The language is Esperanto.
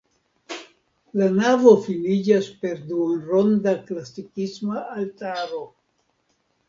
La navo finiĝas per duonronda klasikisma altaro.